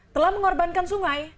telah mengorbankan sungai